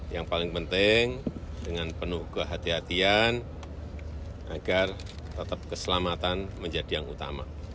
yang paling penting dengan penuh kehatian agar tetap keselamatan menjadi yang utama